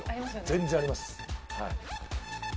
全然あります。